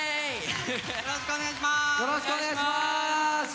よろしくお願いします。